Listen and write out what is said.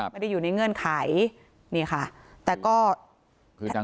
ไม่ได้อยู่ในเงื่อนไขนี่ค่ะแต่ก็คือทำ